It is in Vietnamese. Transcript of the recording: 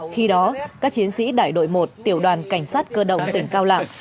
khi đó các chiến sĩ đại đội một tiểu đoàn cảnh sát cơ động tỉnh cao lạng